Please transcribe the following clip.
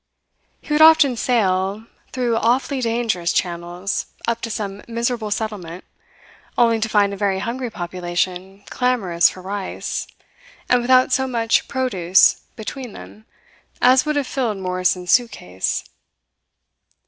He would often sail, through awfully dangerous channels up to some miserable settlement, only to find a very hungry population clamorous for rice, and without so much "produce" between them as would have filled Morrison's suitcase.